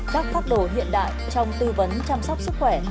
các pháp đồ hiện đại trong tư vấn chăm sóc sức khỏe